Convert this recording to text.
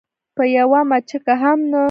په یوه مچکه هم نه.